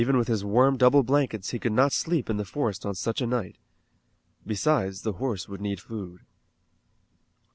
Even with his warm double blankets he could not sleep in the forest on such a night. Besides the horse would need food.